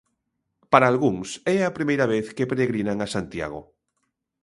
Para algúns é a primeira vez que peregrinan a Santiago.